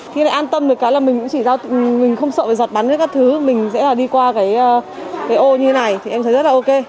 thì lại an tâm được cái là mình cũng chỉ rao tình mình không sợ phải giọt bắn với các thứ mình sẽ đi qua cái ô như thế này thì em thấy rất là ok